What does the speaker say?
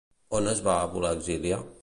On es va voler exiliar?